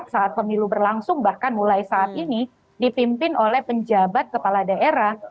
dua ribu dua puluh empat saat pemilu berlangsung bahkan mulai saat ini dipimpin oleh penjabat kepala daerah